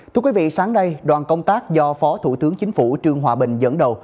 thưa quý vị sáng nay đoàn công tác do phó thủ tướng chính phủ trương hòa bình dẫn đầu